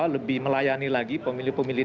lebih melayani lagi pemilih pemilih